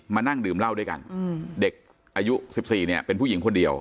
นั่งดื่มเหล้าด้วยกันเด็กอายุ๑๔เนี่ยเป็นผู้หญิงคนเดียว